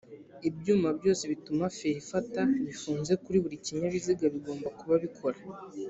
Ibyuma byose bituma feri ifata bifunze kuri buri kinyabiziga bigomba kuba bikora